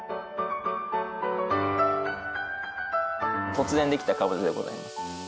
突然できたカボチャでございます。